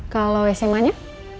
kalau sma nya